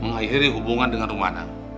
mengakhiri hubungan dengan rumana